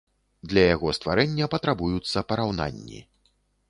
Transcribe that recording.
Для яго стварэння патрабуюцца параўнанні.